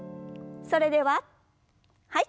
それでははい。